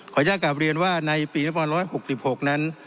อยากกลับเรียนว่าในปี๑๖๖นั้น